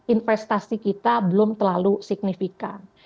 investasi kita belum terlalu signifikan